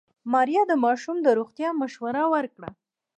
ماريا د ماشوم د روغتيا مشوره ورکړه.